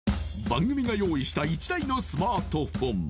番組が用意した１台のスマートフォン